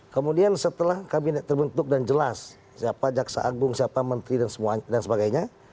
kemudian setelah kabinet terbentuk dan jelas siapa jaksa agung siapa menteri dan sebagainya